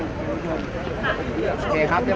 มาถึงอีก๕ปี